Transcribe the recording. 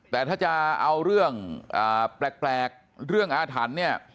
แต่ถ้าจะเอาเรื่องแปลกเรื่องอาถรรพ์เนี่ย